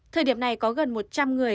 thời điểm này có gần một trăm linh người